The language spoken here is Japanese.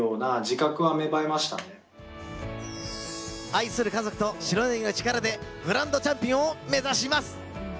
愛する家族と白ネギの力でグランドチャンピオンを目指します。